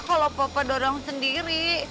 kalau papa dorong sendiri